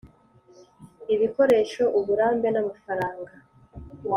Ibikoresho uburambe n amafaranga